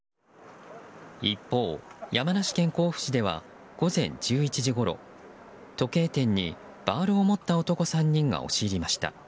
一方、山梨県甲府市では午前１１時ごろ時計店にバールを持った男３人が押し入りました。